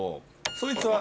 そいつは。